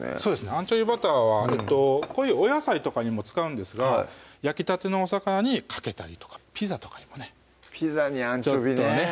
アンチョビバターはこういうお野菜とかにも使うんですが焼きたてのお魚にかけたりとかピザとかにもねピザにアンチョビーね